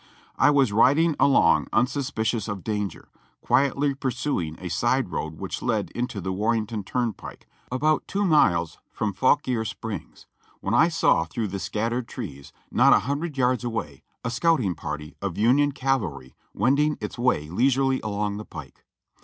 I was riding along unsuspicious of danger, quietly pursuing a side road which led into the Warrenton Turnpike, about two miles from Fauquier Springs, when I saw through the scattered trees, not a hundred yards away, a scouting party of Union cavalry wending its way leisurely along the pike.